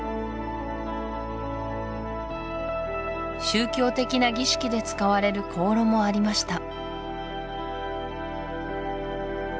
宗教的な儀式で使われる香炉もありました